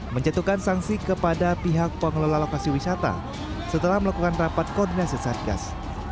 menjatuhkan sanksi kepada pihak pengelola lokasi wisata setelah melakukan rapat koordinasi satgas